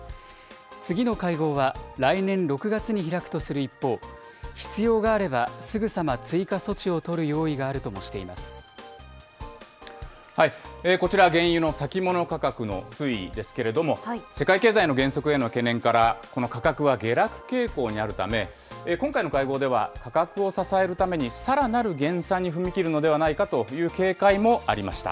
次の会合は、来年６月に開くとする一方、必要があればすぐさま追加措置を取る用意があるともしてこちら原油の先物価格の推移ですけれども、世界経済の減速への懸念からこの価格は下落傾向にあるため、今回の会合では、価格を支えるために、さらなる減産に踏み切るのではないかという警戒もありました。